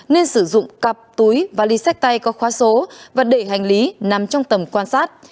nên sử dụng cặp túi vali sách tay có khóa số và đệ hành lý nằm trong tầm quan sát